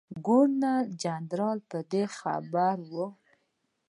ګورنر جنرال په دې خبر وو.